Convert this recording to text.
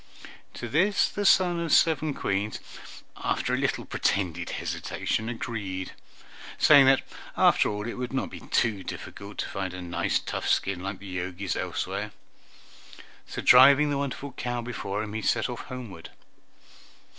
To this the son of seven Queens, after a little pretended hesitation, agreed, saying that after all it would not be difficult to find a nice tough skin like the Jogi's elsewhere; so driving the wonderful cow before him, he set off homeward.